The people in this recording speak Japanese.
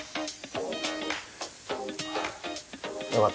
よかった。